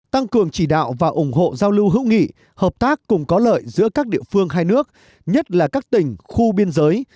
tăng cường chỉ đạo và ủng hộ giao lưu hữu nghị hợp tác cùng có lợi giữa các địa phương hai nước nhất là các tỉnh khu biên giới